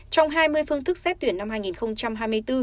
trong hai mươi phương thức xét tuyển năm hai nghìn hai mươi bốn